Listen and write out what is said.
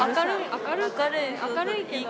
明るい。